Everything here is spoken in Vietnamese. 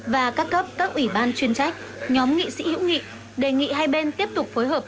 và các cấp các ủy ban chuyên trách nhóm nghị sĩ hữu nghị đề nghị hai bên tiếp tục phối hợp